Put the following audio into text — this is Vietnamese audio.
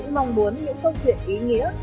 mong muốn những câu chuyện ý nghĩa